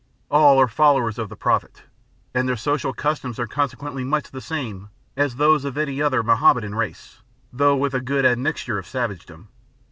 All are followers of the Prophet, and their social customs are consequently much the same as those of any other Mohammedan race, though with a good admixture of savagedom.